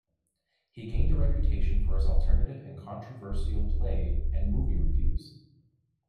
He gained a reputation for his alternative and controversial play and movie reviews.